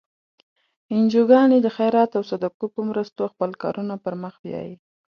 انجوګانې د خیرات او صدقو په مرستو خپل کارونه پر مخ بیایي.